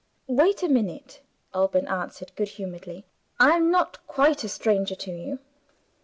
"Wait a minute," Alban answered good humoredly. "I am not quite a stranger to you."